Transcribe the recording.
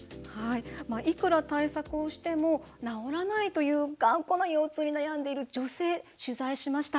いくら対策をしても治らないという頑固な腰痛に悩んでいる女性取材しました。